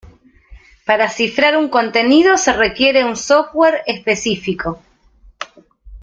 Para cifrar un contenido se requiere un software específico.